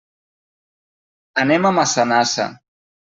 Anem a Massanassa.